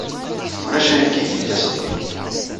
Ulac ayefki deg lkas-nni.